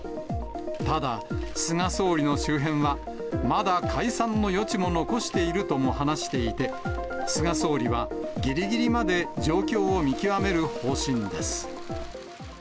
ただ、菅総理の周辺は、まだ解散の余地も残しているとも話していて、菅総理はぎりぎりまで状況を見極める方針です。